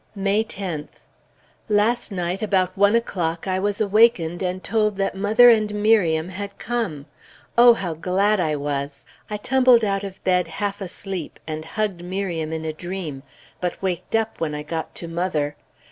May 10th. Last night about one o'clock I was wakened and told that mother and Miriam had come. Oh, how glad I was! I tumbled out of bed half asleep and hugged Miriam in a dream, but waked up when I got to mother.